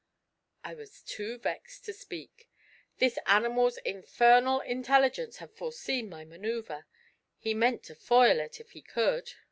I was too vexed to speak: this animal's infernal intelligence had foreseen my manoeuvre he meant to foil it, if he could.